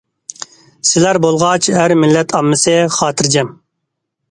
سىلەر بولغاچ، ھەر مىللەت ئاممىسى خاتىرجەم!